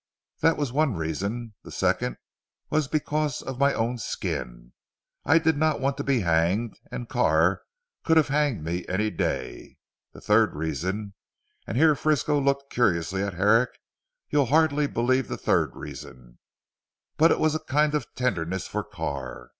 That was one reason. The second was because of my own skin. I did not want to be hanged, and Carr could have hanged me any day. The third reason," and here Frisco looked curiously at Herrick, "you'll hardly believe the third reason. But it was a kind of tenderness for Carr.